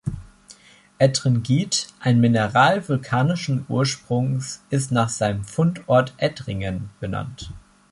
Ettringit, ein Mineral vulkanischen Ursprungs, ist nach seinem Fundort Ettringen benannt.